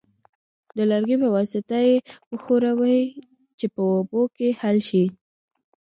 د لرګي په واسطه یې وښورئ چې په اوبو کې حل شي.